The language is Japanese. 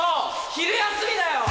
昼休みだよ。